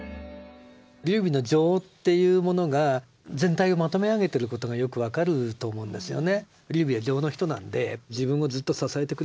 劉備の情っていうものが全体をまとめ上げてることがよく分かると思うんですよね。